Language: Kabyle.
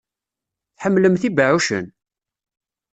Tḥemmlemt ibeɛɛucen?